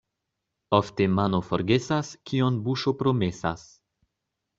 Ofte mano forgesas, kion buŝo promesas.